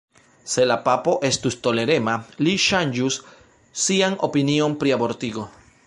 Se la papo estus tolerema, li ŝanĝus sian opinion pri abortigo.